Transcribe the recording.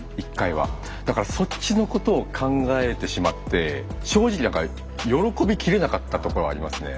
だからそっちのことを考えてしまって正直何か喜びきれなかったところありますね。